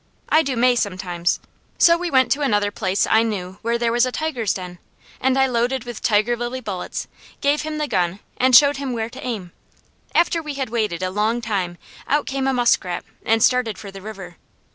I do May sometimes; so we went to another place I knew where there was a tiger's den, and I loaded with tiger lily bullets, gave him the gun and showed him where to aim. After we had waited a long time out came a muskrat, and started for the river.